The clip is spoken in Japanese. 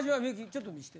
ちょっと見せて。